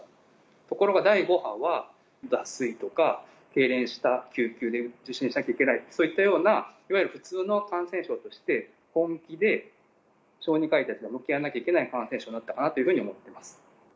ところが第５波は、脱水とか、けいれんした、急で受診しなきゃいけない、そういったようないわゆる普通の感染症として、本気で小児科医たちが向き合わなければいけない感染症になったな